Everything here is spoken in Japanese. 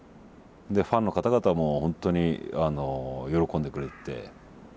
でファンの方々も本当に喜んでくれて。